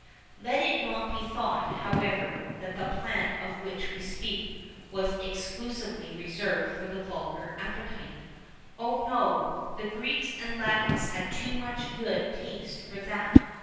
Let it not be thought, however, that the plant of which we speak was exclusively reserved for the vulgar appetite. Oh, no! the Greeks and Latins had too much good taste for that.